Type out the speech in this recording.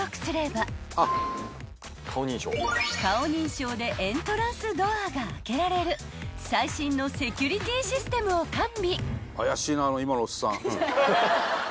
［顔認証でエントランスドアが開けられる最新のセキュリティーシステムを完備］